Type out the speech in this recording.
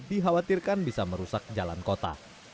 dikhawatirkan bisa merusak jalan kota